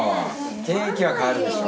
ケーキは変わるでしょ。